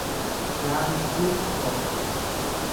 Yaa michuu ko